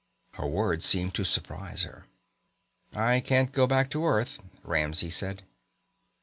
Her words seemed to surprise her. "I can't go back to Earth," Ramsey said.